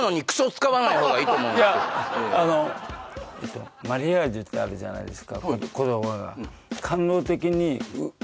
あまりいやあのえっとマリアージュってあるじゃないですか